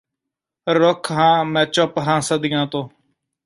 ਰੁੱਖ ਹਾਂ ਮੈਂ ਚੁੱਪ ਹਾਂ ਸਦੀਆਂ ਤੋਂ